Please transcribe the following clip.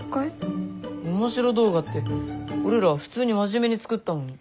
オモシロ動画って俺ら普通に真面目に作ったのに。